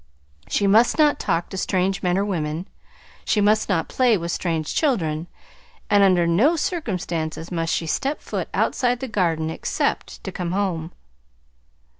She must not talk to strange men or women; she must not play with strange children; and under no circumstances must she step foot outside the Garden except to come home.